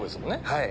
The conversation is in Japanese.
はい。